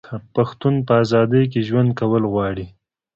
پښتون په ازادۍ کې ژوند کول غواړي.